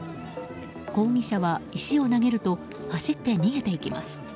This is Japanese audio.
抗議者は石を投げると走って逃げていきます。